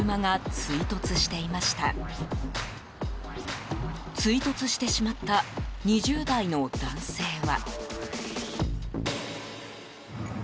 追突してしまった２０代の男性は。